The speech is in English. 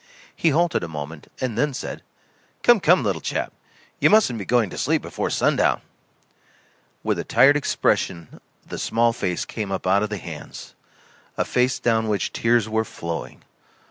He halted a moment, and then said: "Come, come, little chap, you mustn't be going to sleep before sundown" With a tired expression the small face came up out of the hands, a face down which tears were flowing.